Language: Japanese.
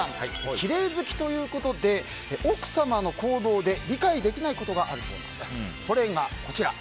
きれい好きということで奥様の行動で理解できないことがあるそうなんです。